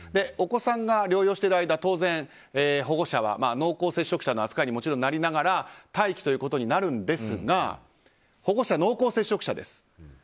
お子さんが療養されている間当然、保護者は濃厚接触者の扱いにもちろんなりながら待機ということになるんですが保護者、濃厚接触者です。